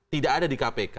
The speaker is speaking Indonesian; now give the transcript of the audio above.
tidak ada di kpk